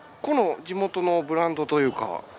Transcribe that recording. この地元のブランドというか？